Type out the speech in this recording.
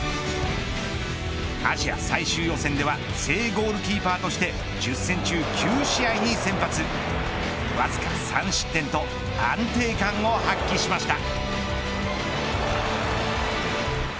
アジア最終予選では正ゴールキーパーとして１０戦中９試合に先発わずか３失点と安定感を発揮しました。